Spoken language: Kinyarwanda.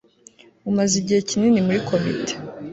umaze igihe kinini muri komite